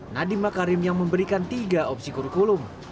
nadiem makarim yang memberikan tiga opsi kurikulum